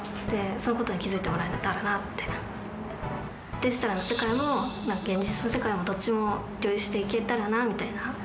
デジタルな世界も現実の世界もどっちも両立していけたらなって。